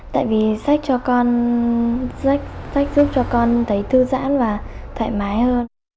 tại vì sách cho con sách giúp cho con thấy thư giãn và thoải mái hơn